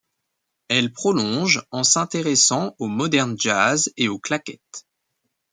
Elle prolonge en s'intéressant au modern jazz et aux claquettes.